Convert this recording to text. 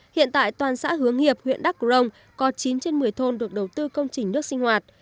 hiện tại toàn xã hướng nghiệp huyện đắc cửu rồng có chín trên một mươi thôn được đầu tư công trình nước sinh hoạt